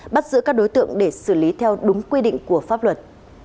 bắt giữ các đối tượng để xử lý theo đúng quy định của pháp luật